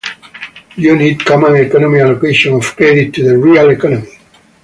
You need command-economy allocation of credit to the real economy.